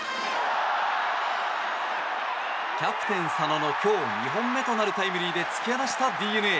キャプテン、佐野の今日２本目となるタイムリーで突き放したＤｅＮＡ。